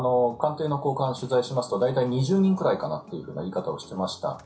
官邸の高官を取材しますと大体２０人くらいかなという言い方をしていました。